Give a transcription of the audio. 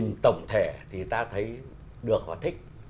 nhìn tổng thể thì ta thấy được và thích